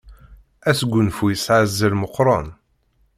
Asgunfu isεa azal meqqren.